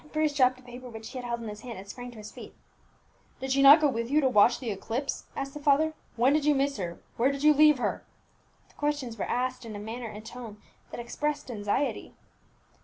Bruce dropped the paper which he had held in his hand, and sprang to his feet. "Did she not go with you to watch the eclipse?" asked the father; "when did you miss her? where did you leave her?" The questions were asked in a manner and tone that expressed anxiety.